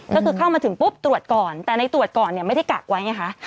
ก็คือเข้ามาถึงปุ๊บตรวจก่อนแต่ในตรวจก่อนเนี่ยไม่ได้กักไว้ไงคะ